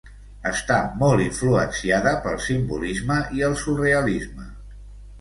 Està molt influenciada pel simbolisme i el surrealisme.